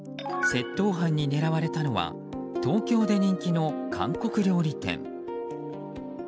窃盗犯に狙われたのは東京で人気の韓国料理店。